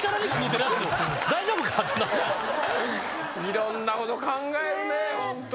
いろんなこと考えるねホント。